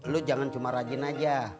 lu jangan cuma rajin aja